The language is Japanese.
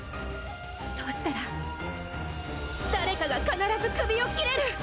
そうしたら誰かが必ず首を斬れる！